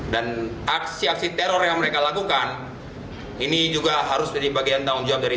dan aksi aksi teror yang mereka lakukan ini juga harus jadi bagian tanggung jawab dari